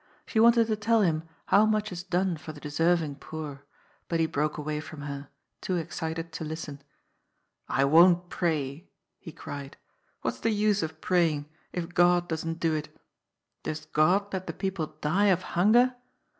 She wanted to tell him how much is done for the deserving poor, but he broke away from her, too excited to listen. " I won't pray," he cried. " What's the use of praying, if God doesn't do it ? Does God let the people die of hun ger